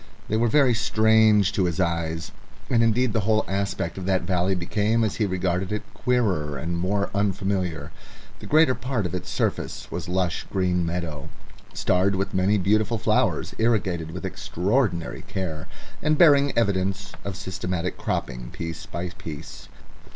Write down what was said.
They were very strange to his eyes, and indeed the whole aspect of that valley became, as he regarded it, queerer and more unfamiliar. The greater part of its surface was lush green meadow, starred with many beautiful flowers, irrigated with extraordinary care, and bearing evidence of systematic cropping piece by piece.